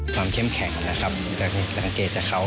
ความเข้มแข็งนะครับจะดังเกตจากเขา